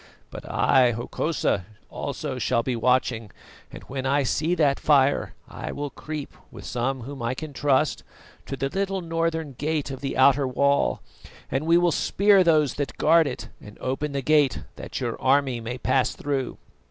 But I, Hokosa, also shall be watching, and when I see that fire I will creep, with some whom I can trust, to the little northern gate of the outer wall, and we will spear those that guard it and open the gate, that your army may pass through.